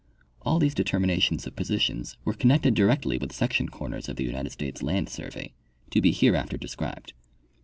All these determi nations of positions were connected directly with section corners of the United States Land survey, to be hereafter described.